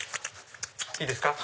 いいですか？